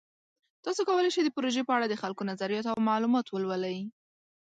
تاسو کولی شئ د پروژې په اړه د خلکو نظریات او معلومات ولولئ.